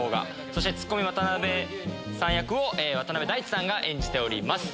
そしてツッコミ渡辺さん役を渡辺大知さんが演じております。